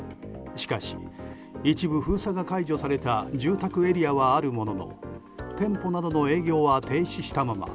しかし一部、封鎖が解除された住宅エリアはあるものの店舗などの営業は停止したまま。